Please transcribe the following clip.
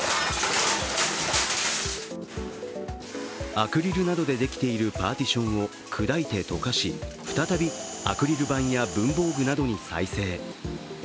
アクリルなどでできているパーティションを砕いて溶かし再びアクリル板や文房具などに再生。